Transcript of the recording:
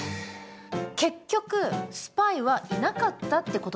結局スパイはいなかったってことですか？